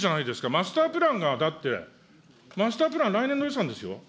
マスタープランが、だって、マスタープラン、来年度予算ですよね。